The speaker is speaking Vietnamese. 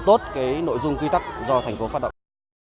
tốt cái nội dung quy tắc do thành phố phát động